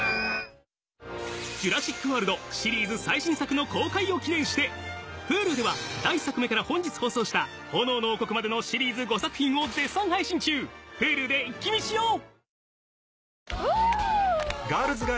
『ジュラシック・ワールド』シリーズ最新作の公開を記念してＨｕｌｕでは第１作目から本日放送した『炎の王国』までのＨｕｌｕで一気見しよう！